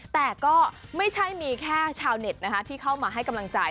แต่ก็ไม่ใช่มีแค่ชาวเน็ตนะคะที่เข้ามาให้กำลังใจ